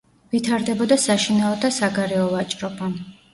ვითარდებოდა საშინაო და საგარეო ვაჭრობა.